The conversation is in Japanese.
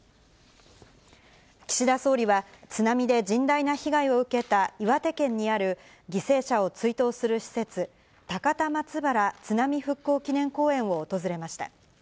岸田総理は、津波で甚大な被害を受けた岩手県にある犠牲者を追悼する施設、高田松原津波復興祈念公園を訪れました。